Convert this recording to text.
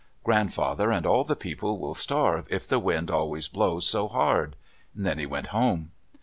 Grandfather and all the people will starve if the wind always blows so hard." Then he went home.